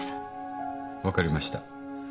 分かりました。